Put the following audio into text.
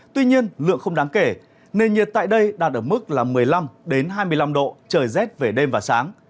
tuy nhiên lượng không đáng kể nền nhiệt tại đây đạt ở mức là một mươi năm hai mươi năm độ trời rét về đêm và sáng